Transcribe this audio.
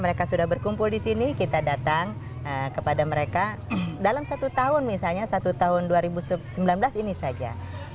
mereka sudah berkumpul di sini kita datang kepada mereka dalam satu tahun misalnya satu tahun dua ribu sembilan belas ini saja